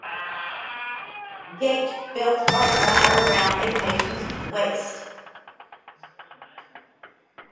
Gait belts are worn around a patient's waist.